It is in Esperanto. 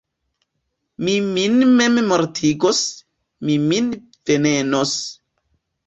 Mi min mem mortigos, mi min venenos!